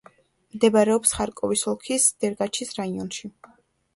მდებარეობს ხარკოვის ოლქის დერგაჩის რაიონში.